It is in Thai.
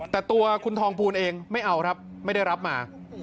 แต่ตัวคุณทองภูลเองไม่เอาครับไม่ได้รับมา